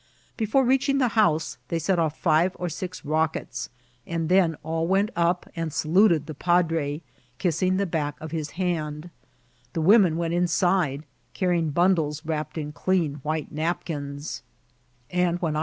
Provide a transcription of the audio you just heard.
Before reaching the house they set off five or six rockets, and then all went up and saluted the padre, kissing the back of his hand; the women went inside, carrying bundles wrapped in clean white napkins ; and when I Vol.